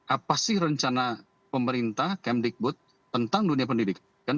apa sih rencana pemerintah kemdikbud tentang dunia pendidikan